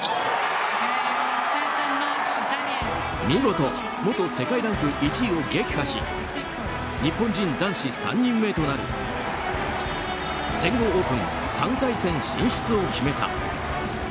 見事、元世界ランク１位を撃破し日本人男子３人目となる全豪オープン３回戦進出を決めた。